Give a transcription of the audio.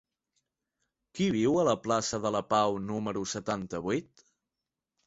Qui viu a la plaça de la Pau número setanta-vuit?